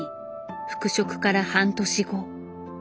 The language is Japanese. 復職から半年後。